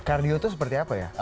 kardio itu seperti apa ya